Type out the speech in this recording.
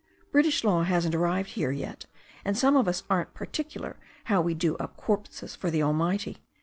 British law hasn't arrived here yet, and some of us aren't particular how we do up corpses for the Almighty.